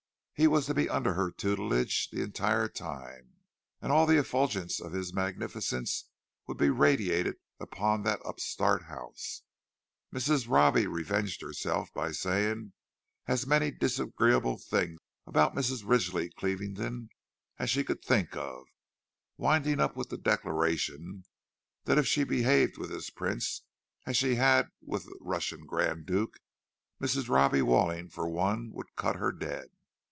He was to be under her tutelage the entire time, and all the effulgence of his magnificence would be radiated upon that upstart house. Mrs. Robbie revenged herself by saying as many disagreeable things about Mrs. Ridgley Clieveden as she could think of; winding up with the declaration that if she behaved with this prince as she had with the Russian grand duke, Mrs. Robbie Walling, for one, would cut her dead.